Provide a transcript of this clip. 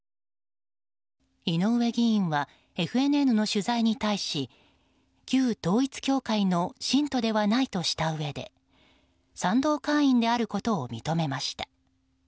井上議員はＦＮＮの取材に対し旧統一教会の信徒ではないとしたうえで賛同会員であることを認めました。